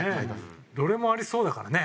どれもありそうだからね。